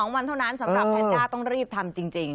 วันเท่านั้นสำหรับแพนด้าต้องรีบทำจริง